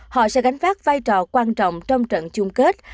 họ sẽ gánh vác vai trò quan trọng trong trận chung kết